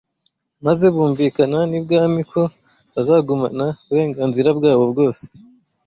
maze bumvikana n’ibwami ko bazagumana uburenganzira bwabo bwose